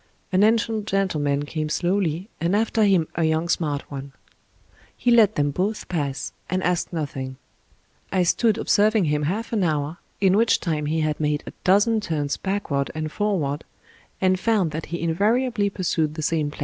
An ancient gentleman came slowly, and after him a young smart one. He let them both pass and asked noth ing. I stood observing him half an hour, in which time he had made a dozen turns backward and forward, and found that he invariably pursued the same plan.